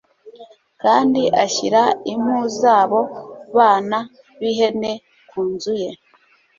kandi ashyira impu z abo bana b ihene kunzu ye